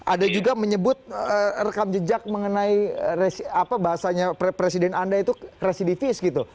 ada juga menyebut rekam jejak mengenai bahasanya presiden anda itu residivis gitu